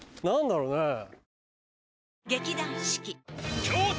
何だろうね。